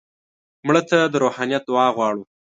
مړه ته د روحانیت دعا غواړو